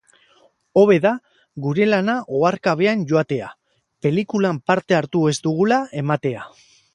Hobe da gure lana oharkabean joatea, pelikulan parte hartu ez dugula ematea.